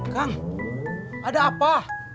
kang ada apa